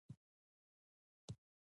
زه د جبار خان بستر په لور ور تېر شوم.